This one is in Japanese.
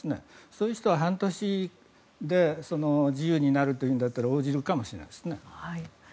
そういう人は半年で自由になるというんだったら応じるかもしれないですね。